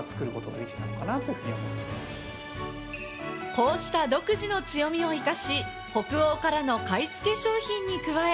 こうした独自の強みを生かし、北欧からの買い付け商品に加え